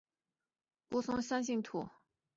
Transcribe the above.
松乳菇生长在松树下的酸性土。